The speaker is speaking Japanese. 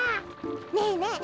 ねえねえ